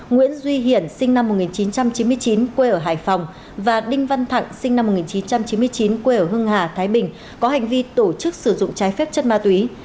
nguyễn duy hiển sinh năm một nghìn chín trăm chín mươi chín quê ở hải phòng và đinh văn thẳng sinh năm một nghìn chín trăm chín mươi chín quê ở hưng hà thái bình có hành vi tổ chức sử dụng trái phép chất ma túy